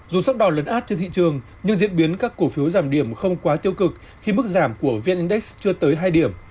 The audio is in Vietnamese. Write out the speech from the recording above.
dù sắc đỏ lấn át trên thị trường nhưng diễn biến các cổ phiếu giảm điểm không quá tiêu cực khi mức giảm của vn index chưa tới hai điểm